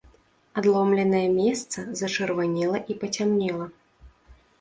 Адломленае месца зачырванела і пацямнела.